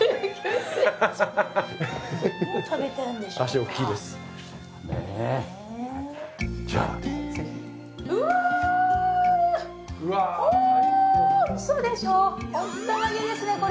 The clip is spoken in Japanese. おったまげですねこれ。